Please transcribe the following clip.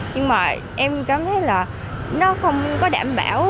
nhưng mà em cảm thấy là nó không có đảm bảo